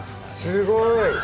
すごい！